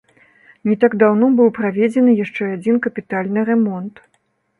Не так даўно быў праведзены яшчэ адзін капітальны рамонт.